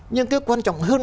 nhưng cái quan trọng hơn